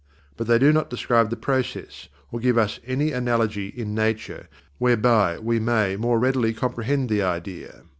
But they do not describe the process or give us any analogy in nature whereby we may more readily comprehend the idea.